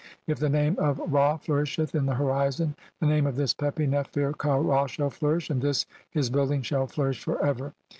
If the name of "Ra flourisheth in the horizon, the name of this Pepi "Nefer ka Ra shall flourish, and this his building shall "flourish for ever.